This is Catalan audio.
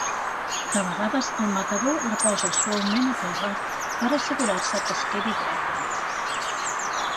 De vegades el matador la posa suaument a terra per assegurar-se que es quedi dreta.